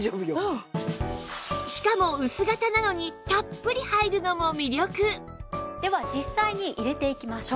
しかも薄型なのにたっぷり入るのも魅力では実際に入れていきましょう。